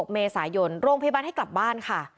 เมษายนโรงพยาบาลให้กลับบ้านค่ะ